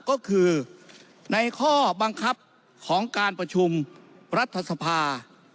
ก็คือในข้อบังคับของการประชุมรัฐสภา